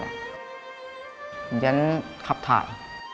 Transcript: อย่างนั้นขับถ่าย